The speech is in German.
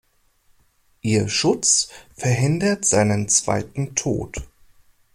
Ihr Schutz verhindert seinen zweiten Tod.